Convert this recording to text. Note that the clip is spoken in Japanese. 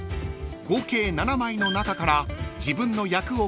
［合計７枚の中から自分の役を組み合わせ